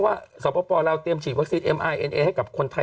อะทำไมเป็นไปได้